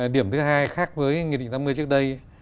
điểm thứ hai khác với nghị định tám mươi trước đây